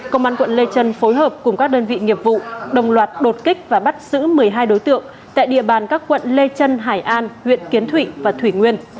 công an quận lê trân phối hợp cùng các đơn vị nghiệp vụ đồng loạt đột kích và bắt giữ một mươi hai đối tượng tại địa bàn các quận lê trân hải an huyện kiến thụy và thủy nguyên